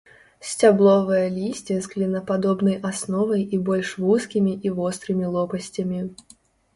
Сцябловае лісце з клінападобнай асновай і больш вузкімі і вострымі лопасцямі.